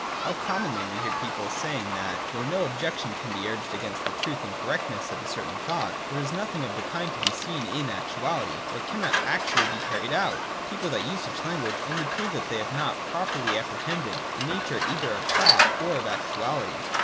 How commonly we hear people saying that, though no objection can be urged against the truth and correctness of a certain thought, there is nothing of the kind to be seen in actuality, or it cannot be actually carried out ! People who use such language only prove that they have not pro perly apprehended the nature either of thought or of actu ality.